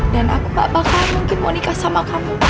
dan aku gak bakal mungkin mau nikah sama kamu